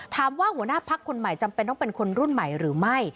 หัวหน้าพักคนใหม่จำเป็นต้องเป็นคนรุ่นใหม่หรือไม่